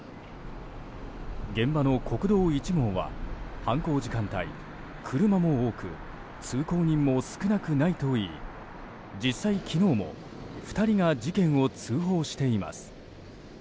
現場の国道１号は犯行時間帯車も多く通行人も少なくないといい実際、昨日も２人が事件を通報しています。